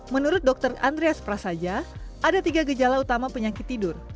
menurut dokter andreas prasaja ada tiga gejala utama penyakit tidur